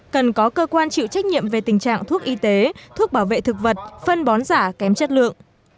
cần có cơ quan chịu trách nhiệm về tình trạng thuốc y tế thuốc bảo vệ thực vật phân bón giả kém chất lượng